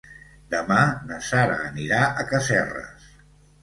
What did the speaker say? Demà na Sara anirà a Casserres.